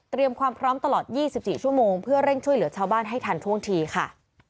ความพร้อมตลอด๒๔ชั่วโมงเพื่อเร่งช่วยเหลือชาวบ้านให้ทันท่วงทีค่ะ